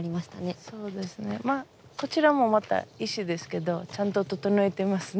そうですねまあこちらもまた石ですけどちゃんと整えてますね。